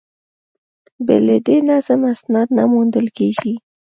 بې له دې نظم، اسناد نه موندل کېږي.